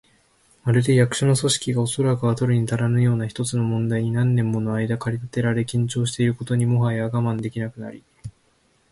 まるで、役所の組織が、おそらくは取るにたらぬような一つの問題に何年ものあいだ駆り立てられ、緊張していることにもはや我慢できなくなり、